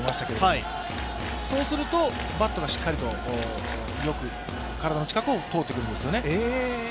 そうするとバットがしっかりとよく体の近くを通ってくるんですね。